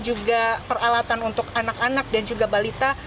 juga peralatan untuk anak anak dan juga balita